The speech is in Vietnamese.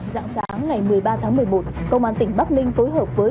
dạng sáng ngày một mươi ba tháng một mươi một công an tỉnh bắc ninh phối hợp với